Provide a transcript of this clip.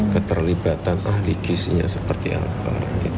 keterlibatan ahli jusinya seperti apa